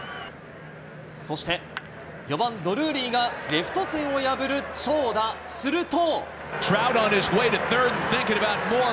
そして、４番ドルーリーがレフト線を破る長打、すると。